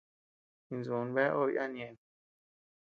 Insú bea obe yana ñeʼen.